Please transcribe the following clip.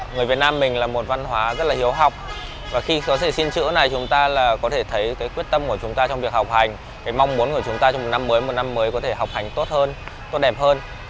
người việt nam mình là một văn hóa rất là hiếu học và khi có thể xin chữ này chúng ta là có thể thấy cái quyết tâm của chúng ta trong việc học hành cái mong muốn của chúng ta trong một năm mới một năm mới có thể học hành tốt hơn tốt đẹp hơn